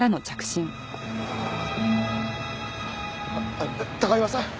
あっ高岩さん？